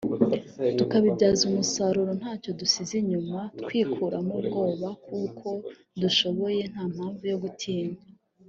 tukabibyaza umusaruro nta cyo dusize inyuma twikuramo ubwoba kuko dushoboye…nta mpamvu yo gutinya”